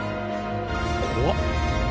怖っ！